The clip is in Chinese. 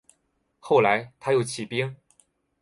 后来他又起兵。